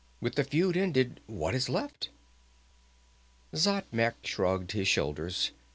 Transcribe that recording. With the feud ended, what is left?" Xatmec shrugged his shoulders.